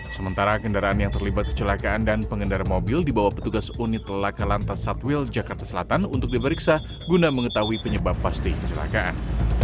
sementara kendaraan yang terlibat kecelakaan dan pengendara mobil dibawa petugas unit laka lantas satwil jakarta selatan untuk diperiksa guna mengetahui penyebab pasti kecelakaan